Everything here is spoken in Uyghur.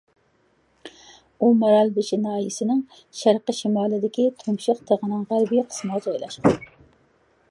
ئۇ مارالبېشى ناھىيەسىنىڭ شەرقىي شىمالىدىكى تۇمشۇق تېغىنىڭ غەربىي قىسمىغا جايلاشقان.